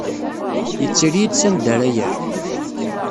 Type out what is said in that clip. Yetter-iyi-d sanda ara yerr.